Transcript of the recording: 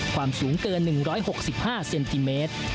ความสูงเกิน๑๖๕เซนติเมตร